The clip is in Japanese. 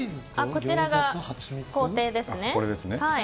こちらが工程ですね。